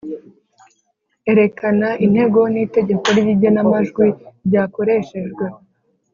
erekana intego n’itegeko ry’igenamajwi ryakoreshejwe